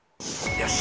よし！